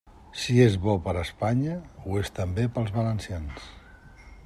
Si és bo per a Espanya, ho és també per als valencians.